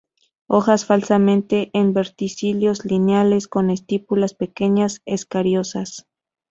Hojas falsamente en verticilos, lineales; con estípulas pequeñas, escariosas.